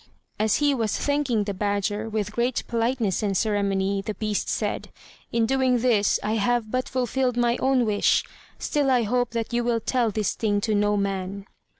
As he was thanking the badger with great politeness and ceremony, the beast said: "In doing this I have but fulfilled my own wish; still I hope that you will tell this thing to no man."